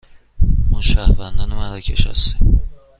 ما شهروندان مراکش هستیم.